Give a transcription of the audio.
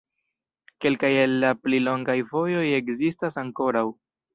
Kelkaj el la pli longaj vojoj ekzistas ankoraŭ.